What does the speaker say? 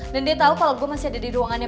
dan dia tau kalau gue masih ada di dalam kantor